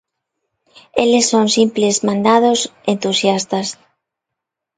Eles son simples mandados entusiastas.